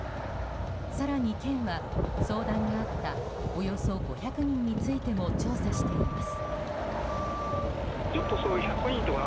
更に、県は相談があったおよそ５００人についても調査しています。